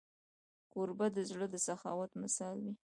کوربه د زړه د سخاوت مثال وي.